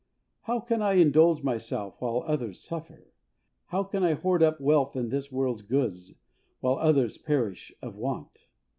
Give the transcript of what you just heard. How can I indulge myself while others suffer? How can I hoard up wealth and this world's goods while others perish of want